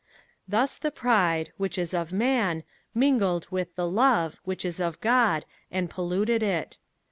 Thus the pride, which is of man, mingled with the love, which is of God, and polluted it.